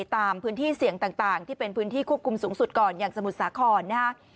ตามพื้นที่เสี่ยงต่างที่เป็นพื้นที่ควบคุมสูงสุดก่อนอย่างสมุทรสาครนะฮะ